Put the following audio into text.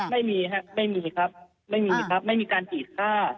ไม่มีครับไม่มีครับไม่มีการขีดค่า